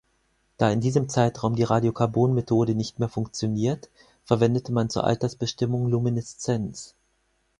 Da in diesem Zeitraum die Radiokarbonmethode nicht mehr funktioniert, verwendete man zur Altersbestimmung Lumineszenz.